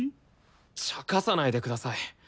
ちゃかさないでください。